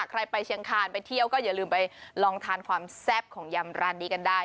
ใครไปเชียงคานไปเที่ยวก็อย่าลืมไปลองทานความแซ่บของยำร้านนี้กันได้